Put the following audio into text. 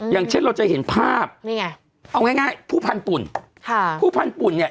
อย่างเช่นเราจะเห็นภาพเอาง่ายผู้พันปุ่นผู้พันปุ่นเนี่ย